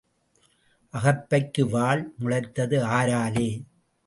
அகப்பைக்கு வால் முளைத்தது ஆராலே?